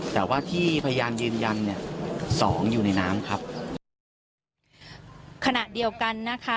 แต่ว่าที่พยานยืนยันเนี่ยสองอยู่ในน้ำครับขณะเดียวกันนะคะ